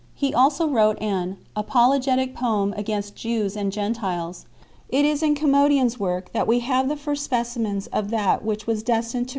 He also wrote an "Apologetic Poem against Jews and Gentiles." It is in Commodian s works that we have the first specimens of that which was destined to pre 1 Epist.